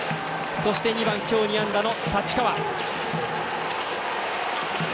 そして２番、今日、２安打の太刀川。